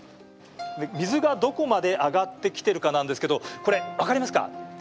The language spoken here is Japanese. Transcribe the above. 水がどこまで上がってきてるかなんですが分かりますか？